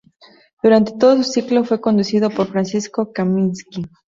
Durante todo su ciclo fue conducido por Francisco Kaminski.